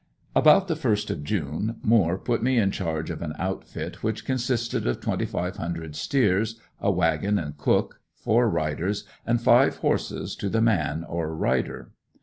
About the first of June Moore put me in charge of an outfit, which consisted of twenty five hundred steers, a wagon and cook, four riders, and five horses to the man or rider.